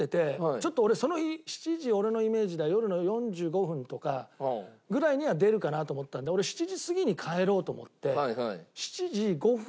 ちょっと俺その日７時俺のイメージでは夜の４５分とかぐらいには出るかなと思ったんで俺７時過ぎに帰ろうと思って。